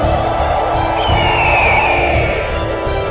saya akan menjaga kebenaran raden